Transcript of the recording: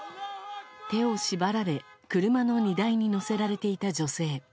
手を縛られ車の荷台に乗せられていた女性。